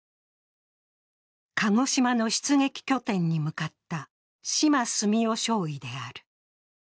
鹿児島の出撃拠点に向かった島澄夫少尉である。